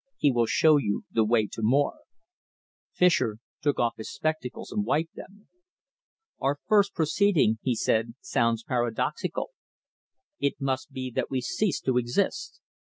He will show you the way to more." Fischer took off his spectacles and wiped them. "Our first proceeding," he said, "sounds paradoxical. It must be that we cease to exist.